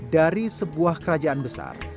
dari sebuah kerajaan besar